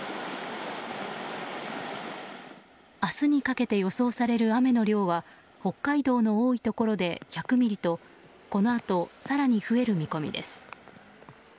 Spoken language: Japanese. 明日にかけて予想される雨の量は北海道の多いところで１００ミリとこのあと更に増える見込みです。